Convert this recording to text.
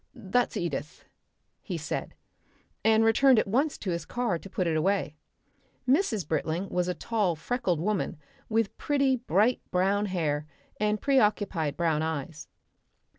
"That's Edith," he said, and returned at once to his car to put it away. Mrs. Britling was a tall, freckled woman with pretty bright brown hair and preoccupied brown eyes.